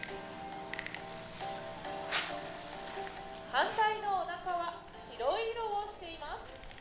「反対のおなかは白色をしています。